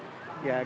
iya kita paham juga